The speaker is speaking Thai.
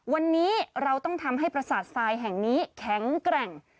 วันนี้เราต้องทำให้ประสาททรายแห่งนี้แข็งแกร่ง